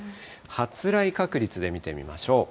発雷確率で見てみましょう。